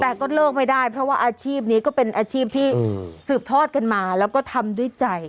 แต่ก็เลิกไม่ได้เพราะว่าอาชีพนี้ก็เป็นอาชีพที่สืบทอดกันมาแล้วก็ทำด้วยใจ